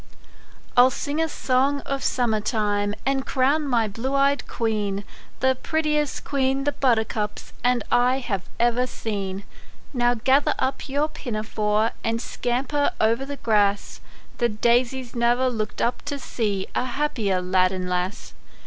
I'LL sing a song of summer time, And crown my blue eyed queen, The prettiest queen the buttercups And I have ever seen. Now gather up your pinafore, And scamper o'er the grass ; The daisies ne'er looked up to see A happier lad arid lass.